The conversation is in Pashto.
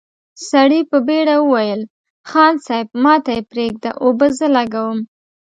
سړي په بېړه وويل: خان صيب، ماته يې پرېږده، اوبه زه لګوم!